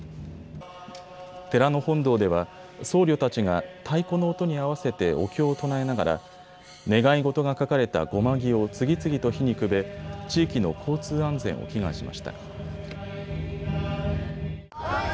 寺の本堂では僧侶たちが太鼓の音に合わせてお経を唱えながら願い事が書かれた護摩木を次々と火にくべ、地域の交通安全を祈願しました。